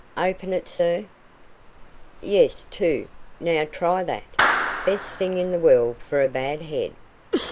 "Open it, sir?" "Yes. Two. Now try that. Best thing in the world for a bad head."